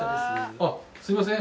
あっすいません。